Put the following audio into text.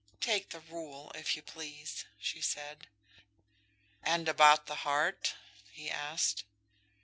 "Take the rule, if you please," she said. "And about the heart?" he asked.